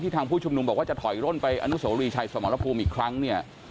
ทางผู้ชุมนุมบอกว่าจะถอยร่นไปอนุโสรีชัยสมรภูมิอีกครั้งเนี่ย